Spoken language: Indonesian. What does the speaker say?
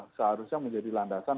itu yang seharusnya menjadi landasan